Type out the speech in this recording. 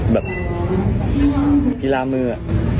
แบบกีฬามืออะ